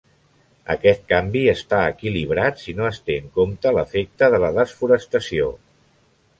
Aquest canvi està equilibrat si no es té en compte l'efecte de la desforestació.